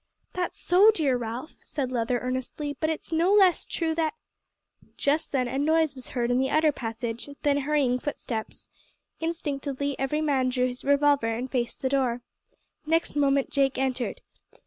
"That's so, dear Ralph," said Leather earnestly, "but it's no less true that " Just then a noise was heard in the outer passage; then hurrying footsteps. Instinctively every man drew his revolver and faced the door. Next moment Jake entered.